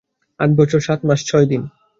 আট বছর, সাত মাস, ছয় দিন।